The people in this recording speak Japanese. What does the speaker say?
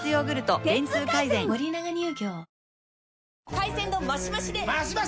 海鮮丼マシマシで！